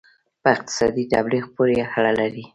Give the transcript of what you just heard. په اقتصادي تبلیغ پورې اړه لري.